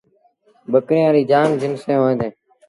ٻڪريآݩ ريٚݩ جآم جنسيٚݩ هوئيݩ ديٚݩ۔